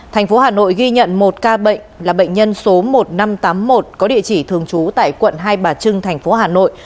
thành phố hà nội ghi nhận một ca bệnh là bệnh nhân số một nghìn năm trăm tám mươi một có địa chỉ thường trú tại quận hai bà trưng thành phố hà nội